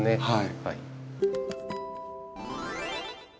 はい。